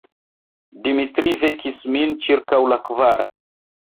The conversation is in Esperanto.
Dimitri vekis min ĉirkaŭ la kvara.